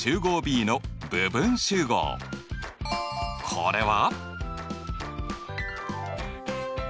これは？